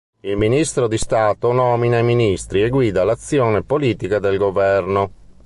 Il ministro di Stato nomina i ministri e guida l'azione politica del governo.